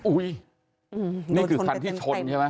นี่คือคันที่ชนใช่ไหม